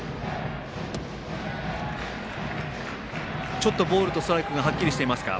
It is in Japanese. ちょっとボールとストライクがはっきりしていますか。